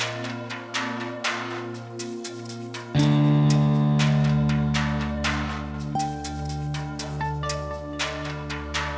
aku sekarang tinggal di mana saja kalimat enam donc